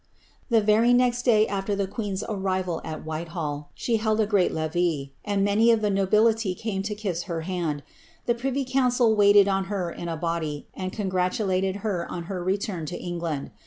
'' The very next day afler the queen's arriyal at White hall^ she held a great levee, and many of the nobility came to kiss her hand ; the privy council waited on her in a body, and congratulated her OQ her return to England.